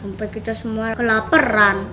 sampai kita semua kelaperan